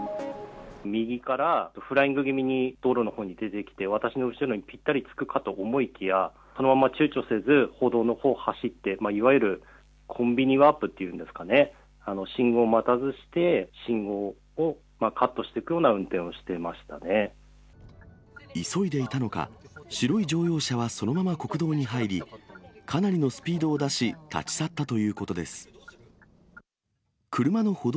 右からフライング気味に道路のほうに出てきて、私の後ろにぴったりつくかと思いきや、そのまま、ちゅうちょせず、歩道のほうを走って、いわゆるコンビニワープっていうんですかね、信号を待たずして、信号をカットしていくような運転をしてました急いでいたのか、白い乗用車はそのまま国道に入り、かなりのスピードを出し、立ち去ったということです。